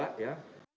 dari bni seperti apa